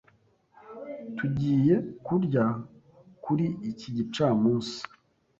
Tugiye kurya kuri iki gicamunsi?